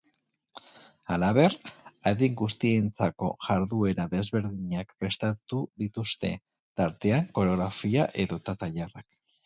Halaber, adin guztientzako jarduera desberdinak prestatu dituzte, tartean koreografiak edota tailerrak.